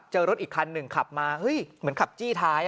รถอีกคันหนึ่งขับมาเฮ้ยเหมือนขับจี้ท้าย